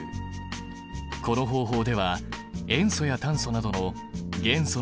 この方法では塩素や炭素などの元素の検出ができる。